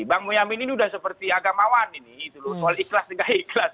bang moyamin ini sudah seperti agamawan ini soal ikhlas dan tidak ikhlas